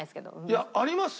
いやありますよ。